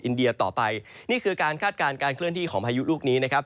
เดียต่อไปนี่คือการคาดการณ์การเคลื่อนที่ของพายุลูกนี้นะครับ